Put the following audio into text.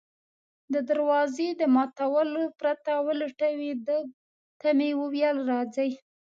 د دروازې د ماتولو پرته ولټوي، ده ته مې وویل: راځئ.